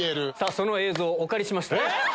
その映像お借りしました。